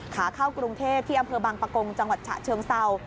ขาเข้ากรุงเทพที่อำเภอบางปะกงจังหวัดฉะเชิงเศร้า